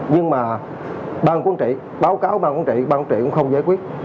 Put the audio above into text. nhưng mà ban quản trị báo cáo ban quản trị ban quản trị cũng không giải quyết